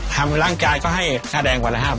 ทำล้างจานก็ให้หน้าแดงวันละ๕บาท